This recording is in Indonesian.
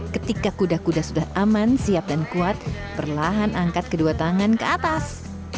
ketika kuda kuda sudah aman siap dan kuat perlahan angkat kedua tangan ke atas